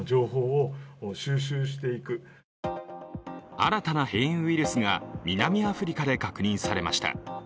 新たな変異ウイルスが南アフリカで確認されました。